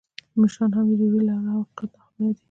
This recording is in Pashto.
مشران هم د جګړې له آره او حقیقت نه ناخبره دي.